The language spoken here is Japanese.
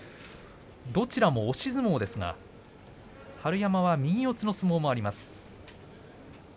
どちらも押し相撲ですが春山は右四つの相撲もあります。